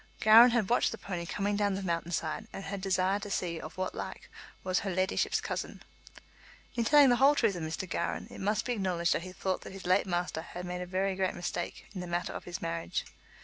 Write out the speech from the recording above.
Gowran had watched the pony coming down the mountain side, and had desired to see of what like was "her leddyship's" cousin. In telling the whole truth of Mr. Gowran, it must be acknowledged that he thought that his late master had made a very great mistake in the matter of his marriage.